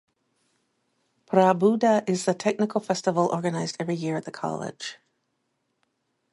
Prabuddha is the technical festival organized every year at the college.